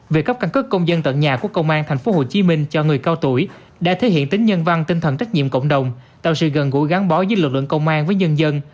việc cấp căn cứ công dân tận nhà của công an tp hcm cho người cao tuổi đã thể hiện tính nhân văn tinh thần trách nhiệm cộng đồng tạo sự gần gũi gắn bó giữa lực lượng công an với nhân dân